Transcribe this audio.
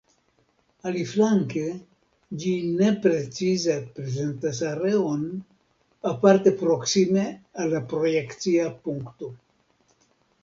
Aliflanke, ĝi ne precize prezentas areon, aparte proksime al la projekcia punkto.